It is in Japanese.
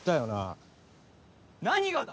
何がだ？